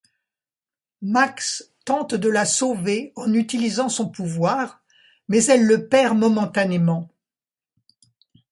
Max tente de la sauver en utilisant son pouvoir mais elle le perd momentanément.